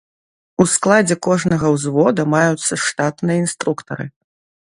У складзе кожнага ўзвода маюцца штатныя інструктары.